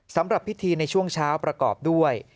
สำหรับพิธีในช่วงเช้าประกอบด้วย